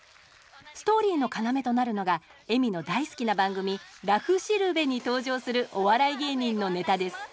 ストーリーの要となるのが恵美の大好きな番組「らふしるべ」に登場するお笑い芸人のネタです